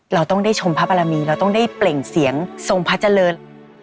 เราต้องได้เปล่งเสียงทรงพระเจริญ